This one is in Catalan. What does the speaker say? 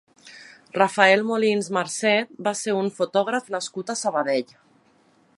Rafael Molins Marcet va ser un fotògraf nascut a Sabadell.